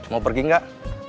mau pergi gak